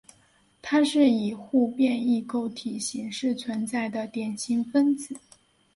它是以互变异构体形式存在的典型分子。